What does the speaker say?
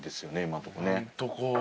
今んとこね。